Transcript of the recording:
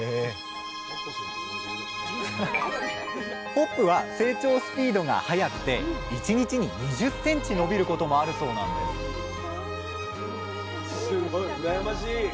ホップは成長スピードが速くて１日に２０ｃｍ伸びることもあるそうなんですすごい羨ましい。